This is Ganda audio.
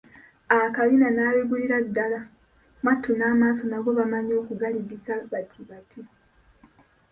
Akabina n'abigulira ddala, mwattu n'amaaso nago bamanyi okugaligisa bati bati!